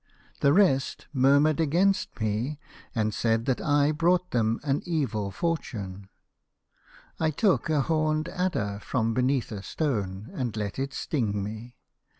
The rest murmured against me, and said that I had brought them an evil fortune. I took a horned adder from beneath a stone and let it sting me.